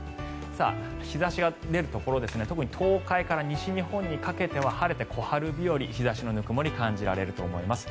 日差しが出るところ特に東海から西日本にかけては晴れて小春日和、日差しのぬくもり感じられると思います。